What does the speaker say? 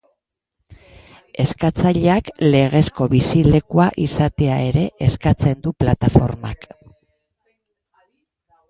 Eskatzaileak legezko bizilekua izatea ere eskatzen du plataformak.